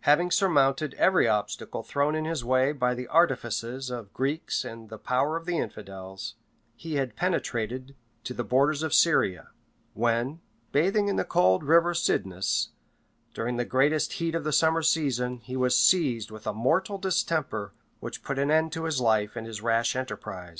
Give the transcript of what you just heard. Having surmounted every obstacle thrown in his way by the artifices of the Greeks and the power of the infidels, he had penetrated to the borders of Syria; when, bathing in the cold river Cydnus, during the greatest heat of the summer season, he was seized with a mortal distemper, which put an end to his life and his rash enterprise.